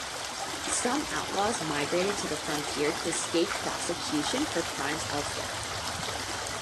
Some outlaws migrated to the frontier to escape prosecution for crimes elsewhere.